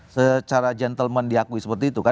secara gentleman diakui seperti itu kan